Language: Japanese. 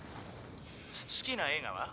好きな映画は？